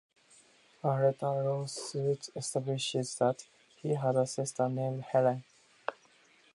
A later lawsuit establishes that he had a sister named Helen.